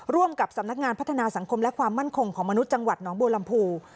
ร่วมกับสำนักงานพัฒนาสังคมและความมั่นคงของมนุษย์จังหวัดน้องบัวลำพู